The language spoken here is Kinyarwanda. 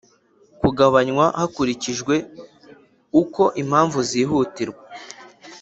Kugabanywa hakurikijwe uko impamvu zihutirwa